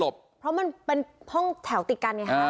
เพราะมันเป็นห้องแถวติดกันไงฮะ